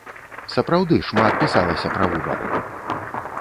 Сапраўды, шмат пісалася пра выбары!